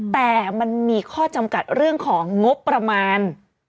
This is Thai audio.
แต่มันมีข้อจำกัดเรื่องของงบประมาณ